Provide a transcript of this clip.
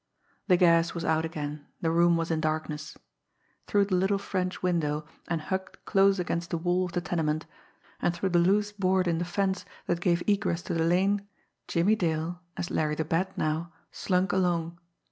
The gas was out again, the room was in darkness. Through the little French window, and hugged close against the wall of the tenement, and through the loose Aboard in the fence that gave egress to the lane, Jimmie Dale, as Larry the Bat now, slunk along.